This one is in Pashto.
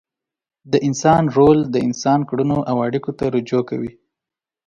د انسان رول د انسان کړنو او اړیکو ته رجوع کوي.